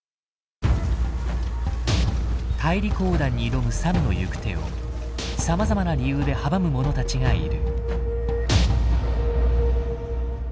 大陸横断に挑むサムの行く手をさまざまな理由で阻む者たちがいる。